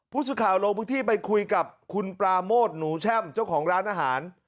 ผู้สื่อข่าวลงพื้นที่ไปคุยกับคุณปราโมทหนูแช่มเจ้าของร้านอาหาร